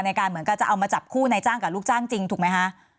ในการเหมือนกันจะเอามาจับคู่ในจ้างกับลูกจ้างจริงถูกไหมคะ